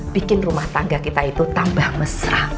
bikin rumah tangga kita itu tambah mesra